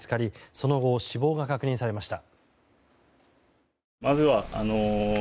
その後、死亡が確認されました。